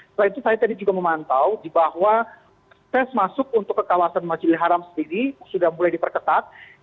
selain itu saya tadi juga memantau bahwa tes masuk untuk ke kawasan majidil haram sendiri sudah mulai diperketat